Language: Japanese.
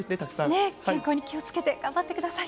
健康に気をつけて、頑張ってください。